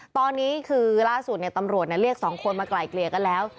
ตอนนี้คือล่าสุดตำรวจเรียกสองคนมาไกลเกลี่ยกันแล้ว